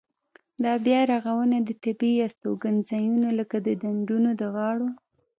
دا بیا رغونه د طبیعي استوګنځایونو لکه د ډنډونو د غاړو.